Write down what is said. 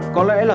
có lẽ là